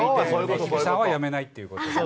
日々さんは辞めないっていうこと。